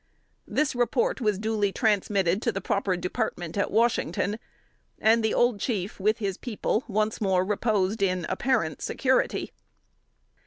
This report was duly transmitted to the proper department at Washington, and the Old Chief, with his people, once more reposed in apparent security.